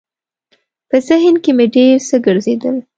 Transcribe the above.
په ذهن کې مې ډېر څه ګرځېدل.